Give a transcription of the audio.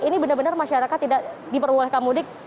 ini benar benar masyarakat tidak diperbolehkan mudik